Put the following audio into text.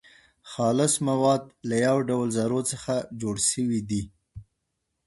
خالص مواد له يو ډول ذرو څخه جوړ سوي دي .